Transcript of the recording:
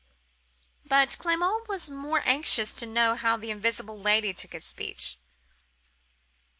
"But Clement was more anxious to know how the invisible Lady took his speech.